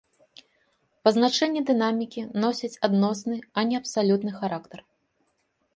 Пазначэнні дынамікі носяць адносны, а не абсалютны характар.